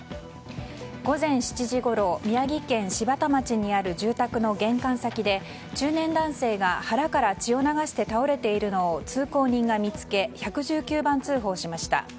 午前７時ごろ宮城県柴田町にある住宅の玄関先で中年男性が腹から血を流して倒れているのを通行人が見つけ１１９番通報しました。